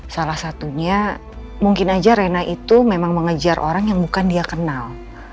salah satunya mungkin aja rena itu memang mengejar orang yang bukan dia kenal